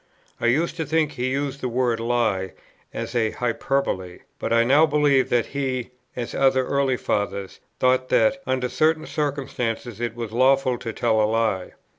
I used to think he used the word "lie" as an hyperbole, but I now believe that he, as other early Fathers, thought that, under certain circumstances, it was lawful to tell a lie.